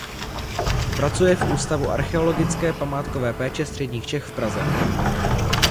Pracuje v Ústavu archeologické památkové péče středních Čech v Praze.